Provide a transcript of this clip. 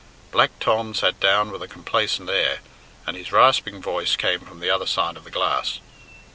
Black Tom sat down with a complacent air, and his rasping voice came from the other side of the glass.